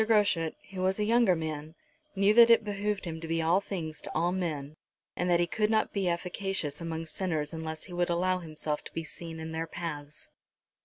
Groschut, who was a younger man, knew that it behoved him to be all things to all men, and that he could not be efficacious among sinners unless he would allow himself to be seen in their paths.